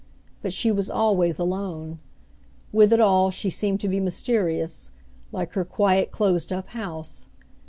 But she was always alone. With it all she seemed to be mysterious, like her quiet closed up house.